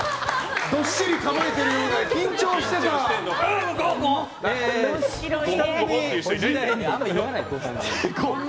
どっしり構えてるようで緊張してたわ！